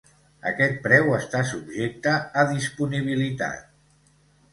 Aquest preu està subjecte a disponibilitat.